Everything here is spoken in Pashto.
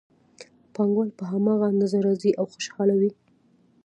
پانګوال په هماغه اندازه راضي او خوشحاله وي